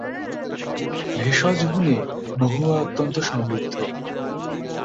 ভেষজ গুণে মহুয়া অত্যন্ত সমৃদ্ধ।